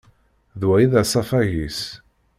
D wa i d asafag-is.